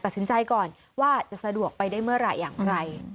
ตัดสินใจก่อนว่าจะสะดวกไปได้เมื่อไหร่อย่างไร